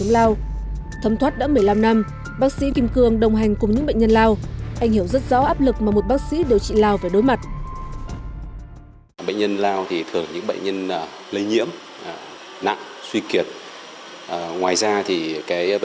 lao đa kháng thuốc đã được phát hiện và điều trị với tỷ lệ khỏi bệnh cao